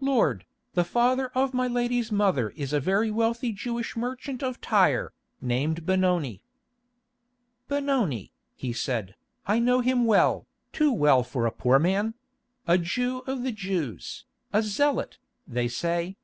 "Lord, the father of my lady's mother is a very wealthy Jewish merchant of Tyre, named Benoni." "Benoni," he said, "I know him well, too well for a poor man!—a Jew of the Jews, a Zealot, they say.